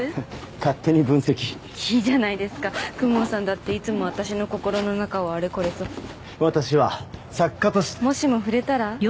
勝手に分析いいじゃないですか公文さんだっていつも私の心の中をあれこれと私は作家としてもしも触れたら？